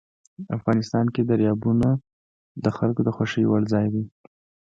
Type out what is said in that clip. افغانستان کې دریابونه د خلکو د خوښې وړ ځای دی.